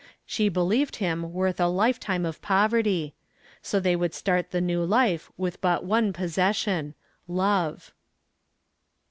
She believed him worth a lifetime of poverty. So they would start the new life with but one possession love.